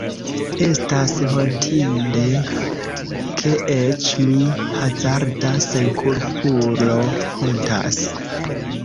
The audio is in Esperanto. Estas hontinde, ke eĉ mi, hazarda senkulpulo, hontas.